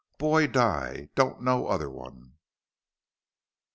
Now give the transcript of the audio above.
Boy die. Don't know other one."